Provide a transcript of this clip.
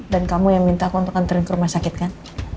dan kamu yang minta aku untuk nantikan ke rumah sakit kan